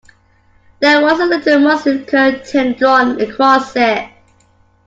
There was a little muslin curtain drawn across it.